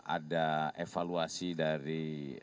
ada evaluasi dari